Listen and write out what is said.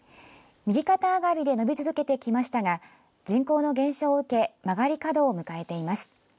右肩上がりで伸び続けてきましたが人口の減少を受け曲がり角を迎えています。